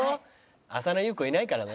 浅野ゆう子いないからね。